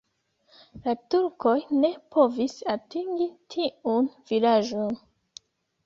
La turkoj ne povis atingi tiun vilaĝon.